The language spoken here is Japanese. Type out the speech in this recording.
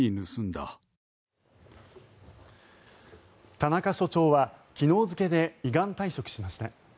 田中署長は、昨日付で依願退職しました。